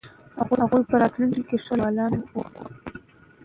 هغوی به په راتلونکي کې ښه لیکوالان وي.